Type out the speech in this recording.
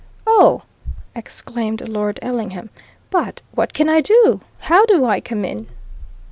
"Oh!" exclaimed Lord Ellingham. "But what can I do! How do I come in?"